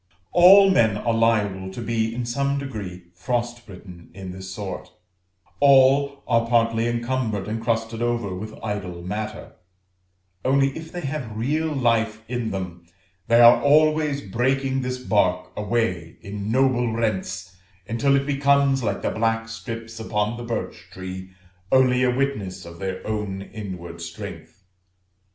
All men are liable to be in some degree frost bitten in this sort; all are partly encumbered and crusted over with idle matter; only, if they have real life in them, they are always breaking this bark away in noble rents, until it becomes, like the black strips upon the birch tree, only a witness of their own inward strength.